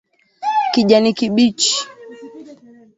kijani kibichi